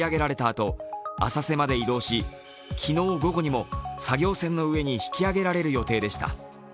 あと浅瀬まで移動し、昨日午後にも作業船の上に引き揚げられる予定でした。